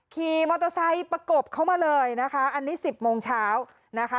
ขี่มอเตอร์ไซค์ประกบเข้ามาเลยนะคะอันนี้สิบโมงเช้านะคะ